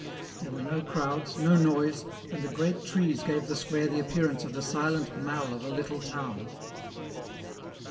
There were no crowds, no noise, and the great trees gave the square the appearance of the silent mall of a little town.